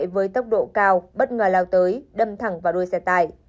với tốc độ cao bất ngờ lao tới đâm thẳng vào đuôi xe tải